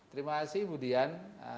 terima kasih ibu dian